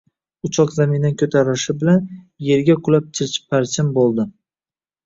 Uchoq zamindan koʻtarilishi bilan yerga qulab chilparchin boʻldi